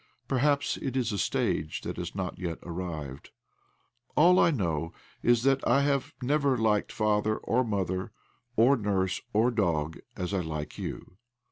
Perhaps it is a stage that has not yet arrived. All I know is that I have never liked father or mother or nurse or dog as I like you.